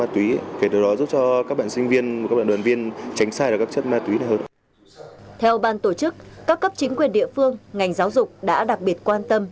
theo ban tổ chức các cấp chính quyền địa phương ngành giáo dục đã đặc biệt quan tâm